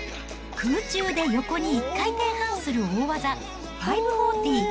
空中で横に１回転半する大技、５４０。